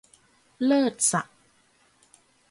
เลิศศักดิ์